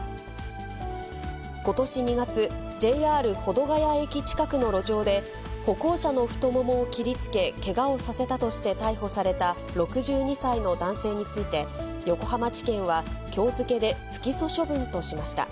ことし２月、ＪＲ保土ケ谷駅近くの路上で、歩行者の太ももを切りつけ、けがをさせたとして逮捕された６２歳の男性について、横浜地検は、きょう付けで不起訴処分としました。